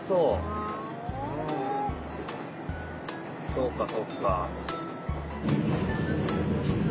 そうかそうか。